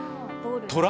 トラ？